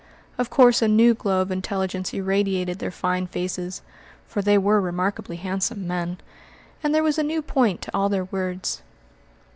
Of course a new glow of intelligence irradiated their fine faces (for they were remarkably handsome men) and there was a new point to all their words.